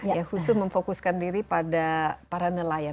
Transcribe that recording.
ya khusus memfokuskan diri pada para nelayan